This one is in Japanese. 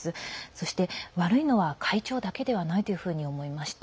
そして、悪いのは会長だけではないと思いました。